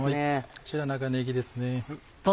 こちら長ねぎですね。